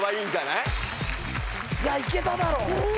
いや行けただろ！